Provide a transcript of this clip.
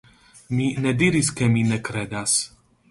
Mi ne diris ke mi ne kredas.